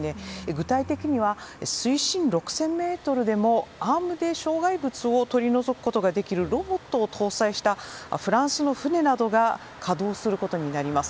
具体的には水深６０００ｍでも、アームで障害物を取り除くことができるロボットを搭載したフランスの船などが稼働することになります。